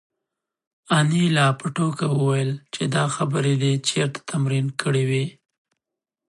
انیلا په ټوکه وویل چې دا خبرې دې چېرته تمرین کړې وې